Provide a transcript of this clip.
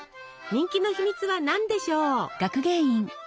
人気の秘密は何でしょう？